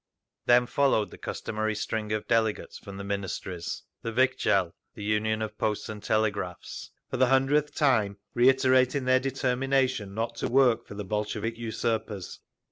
Then followed the customary string of delegates from the Ministries, the Vikzhel, the Union of Posts and Telegraphs, for the hundredth time reiterating their determination not to work for the Bolshevik usurpers.